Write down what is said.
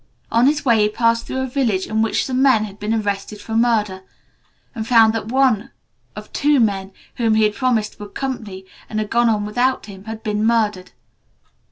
On his way he passed through a village in which some men had been arrested for murder, and found that one of two men, whom he had promised to accompany and had gone on without him, had been murdered.